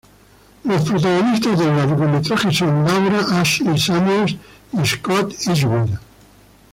Los protagonistas del largometraje son Laura Ashley Samuels y Scott Eastwood.